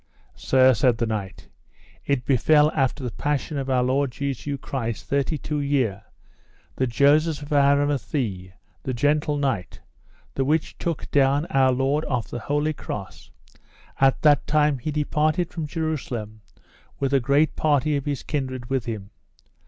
Sir, said the knight, it befell after the passion of our Lord Jesu Christ thirty two year, that Joseph of Aramathie, the gentle knight, the which took down our Lord off the holy Cross, at that time he departed from Jerusalem with a great party of his kindred with him.